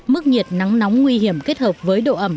mức nhiệt nắng nóng nguy hiểm kết hợp với độ ẩm